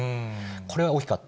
これは大きかった。